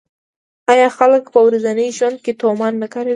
آیا خلک په ورځني ژوند کې تومان نه کاروي؟